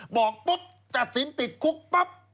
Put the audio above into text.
บอกปุ๊บตัดสินติดคุกปั๊บ